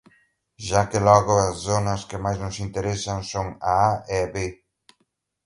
Xa que logo as zonas que máis nos interesan son a A e B.